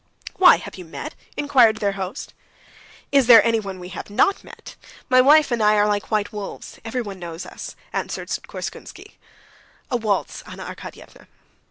"Why, have you met?" inquired their host. "Is there anyone we have not met? My wife and I are like white wolves—everyone knows us," answered Korsunsky. "A waltz, Anna Arkadyevna?"